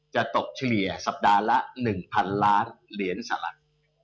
จะตกเฉลี่ยสัปดาห์ละ๑๐๐๐ล้านเหรียญสหรัฐ